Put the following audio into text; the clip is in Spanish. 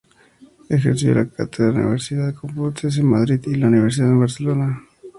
Ejerció la cátedra en la Universidad Complutense de Madrid y la Universidad de Barcelona.